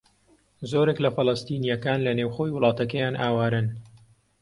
زۆرێک لە فەلەستینییەکان لە نێوخۆی وڵاتەکەیان ئاوارەن.